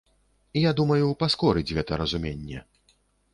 Я думаю, паскорыць гэта разуменне.